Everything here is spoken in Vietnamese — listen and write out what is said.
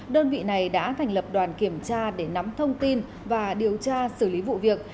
đơn vị này đã thành lập đoàn kiểm tra để nắm thông tin và điều tra xử lý vụ việc